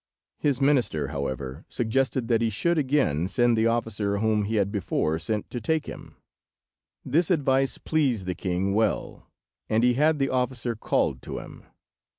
His minister, however, suggested that he should again send the officer whom he had before sent to take him. This advice pleased the king well, and he had the officer called to him.